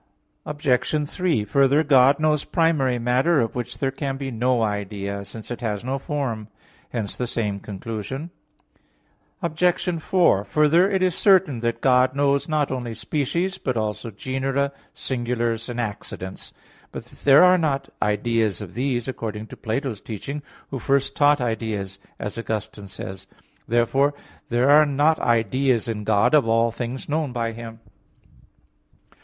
Obj. 3: Further, God knows primary matter, of which there can be no idea, since it has no form. Hence the same conclusion. Obj. 4: Further, it is certain that God knows not only species, but also genera, singulars, and accidents. But there are not ideas of these, according to Plato's teaching, who first taught ideas, as Augustine says (Octog. Tri. Quaest. qu. xlvi). Therefore there are not ideas in God of all things known by Him.